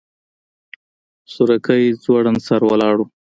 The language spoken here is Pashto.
سورکی ځوړند سر ولاړ و.